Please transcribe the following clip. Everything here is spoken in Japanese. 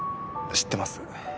知ってます。